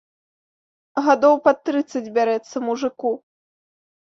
Гадоў пад трыццаць бярэцца мужыку.